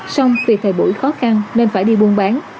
xong vì thời buổi khó khăn nên phải đi buôn bán